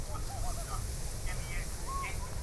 ‘ لیکن ہم جو ہیں۔